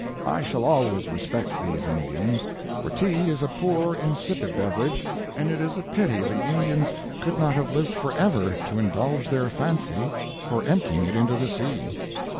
I shall always respect these Indians, for tea is a poor insipid beverage, and it is a pity the Indians could not have lived forever to indulge their fancy for emptying it into the sea.